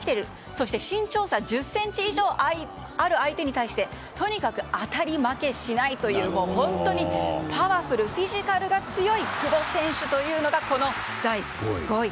そして身長差１０ｃｍ以上ある相手に対してとにかく当たり負けしないパワフル、フィジカルが強い久保選手というのがこの第５位。